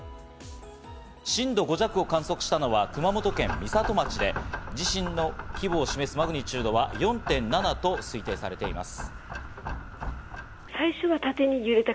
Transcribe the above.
震度５弱を観測したのは熊本県美里町で地震の規模を示すマグニチュードは４．７と推定されます。